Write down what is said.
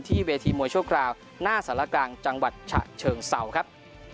เวทีมวยชั่วคราวหน้าสารกลางจังหวัดฉะเชิงเศร้าครับ